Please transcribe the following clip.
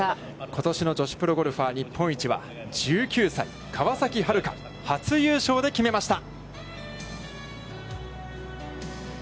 ことしの女子プロゴルファー日本一は、１９歳、川崎春花、初優勝で決めました。